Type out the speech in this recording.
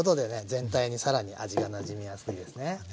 全体にさらに味がなじみやすいですね。